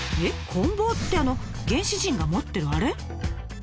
「こん棒」ってあの原始人が持ってるあれ？